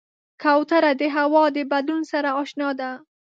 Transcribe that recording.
کوتره د هوا د بدلون سره اشنا ده.